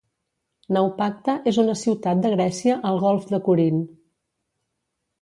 Naupacte és una ciutat de Grècia al Golf de Corint.